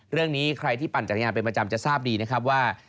เรื่องนี้ใครที่ปั่นจักรยานเป็นประจำจะทราบดีนะครับว่า